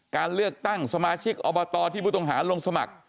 การเลือกตั้งสมาชิกอบตที่ผู้ต้องหาลงสมัคร